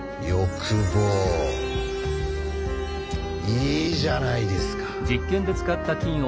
いいじゃないですか。